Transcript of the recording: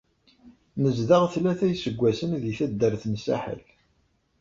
Nezdeɣ tlata iseggasen di taddart n Saḥel.